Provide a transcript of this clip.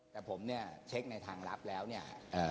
แต่ผมเนี่ยเช็คในทางลับแล้วเนี่ย